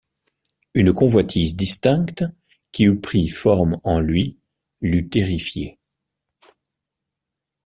Une convoitise distincte, qui eût pris forme en lui, l’eût terrifié.